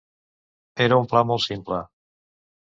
Era un pla molt simple.